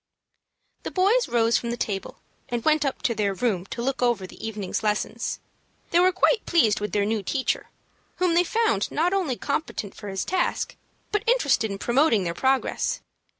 The boys rose from the table, and went up to their room to look over the evening's lessons. They were quite pleased with their new teacher, whom they found not only competent for his task, but interested in promoting their progress.